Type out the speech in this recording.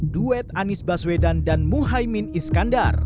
duet anies baswedan dan muhaymin iskandar